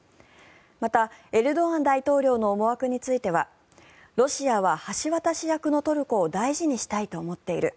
また、エルドアン大統領の思惑についてはロシアは橋渡し役のトルコを大事にしたいと思っている。